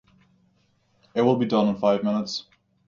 It will be done in five minutes.